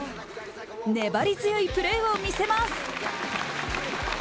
粘り強いプレーを見せます。